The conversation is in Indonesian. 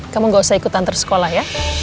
kamu gak usah ikut antar sekolah ya